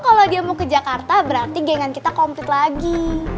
kalau dia mau ke jakarta berarti gangan kita komplit lagi